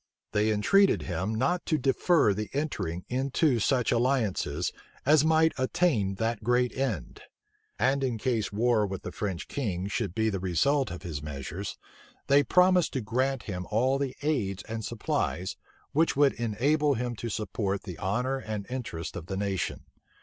They entreated him not to defer the entering into such alliances as might attain that great end; and in case war with the French king should be the result of his measures, they promised to grant him all the aids and supplies, which would enable him to support the honor and interest of the nation.